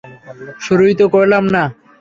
শুরুই তো করলাম না।